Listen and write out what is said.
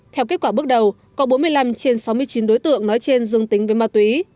theo kết quả bước đầu có bốn mươi năm trên sáu mươi chín đối tượng nói trên dương tính với ma túy